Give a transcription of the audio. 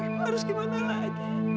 ibu harus gimana lagi